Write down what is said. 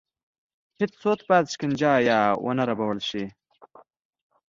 هېڅوک باید شکنجه یا ونه ربړول شي.